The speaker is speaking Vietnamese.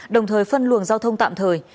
đồng thời phân luồng giao thông tạm thời